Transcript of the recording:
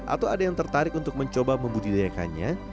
atau ada yang tertarik untuk mencoba membudidayakannya